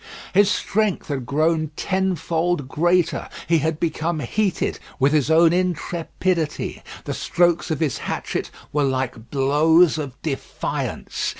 His strength had grown tenfold greater. He had become heated with his own intrepidity. The strokes of his hatchet were like blows of defiance.